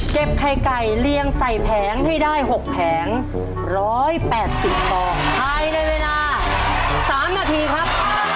ไข่ไก่เรียงใส่แผงให้ได้๖แผง๑๘๐ฟองภายในเวลา๓นาทีครับ